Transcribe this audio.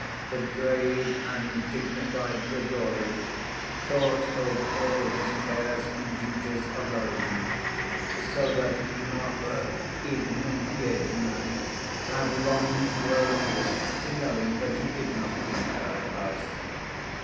The grave and dignified Grigory thought over all his cares and duties alone, so that Marfa Ignatyevna had long grown used to knowing that he did not need her advice.